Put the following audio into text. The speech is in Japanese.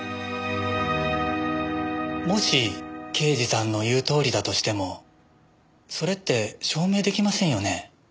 もし刑事さんの言うとおりだとしてもそれって証明出来ませんよね？